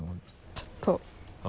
ちょっと。